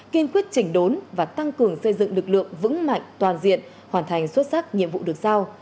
kiên quyết chỉnh đốn và tăng cường xây dựng lực lượng vững mạnh toàn diện hoàn thành xuất sắc nhiệm vụ được sao